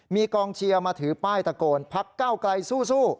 มีกองเชียร์มาถือป้ายตะโกนพักเก้าไกลสู้